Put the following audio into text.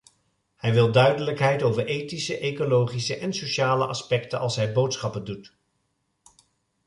Hij wil duidelijkheid over ethische, ecologische en sociale aspecten als hij boodschappen doet.